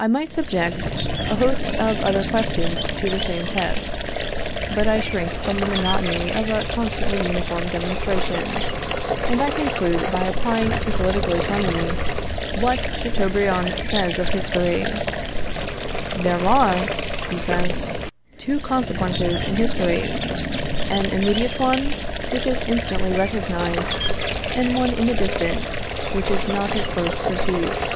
I might subject a host of other questions to the same test; but I shrink from the monotony of a constantly uniform demonstration, and I conclude by applying to political economy what Chateaubriand says of history: "There are," he says, "two consequences in history; an immediate one, which is instantly recognized, and one in the distance, which is not at first perceived.